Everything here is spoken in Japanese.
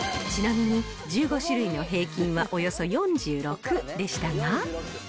ちなみに、１５種類の平均はおよそ４６でしたが。